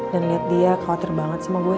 dan liat dia khawatir banget sama gue